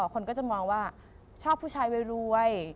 คนกับจะมองว่าเชิกผู้ชายไปรวย